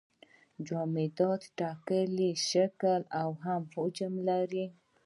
جامدات ټاکلی شکل او حجم لري.